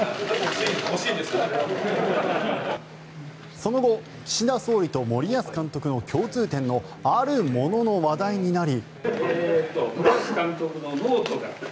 その後岸田総理と森保監督の共通点のあるものの話題になり。